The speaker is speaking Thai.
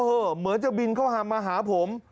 เหมือนจะบินเข้ามาหาผม